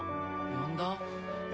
呼んだ？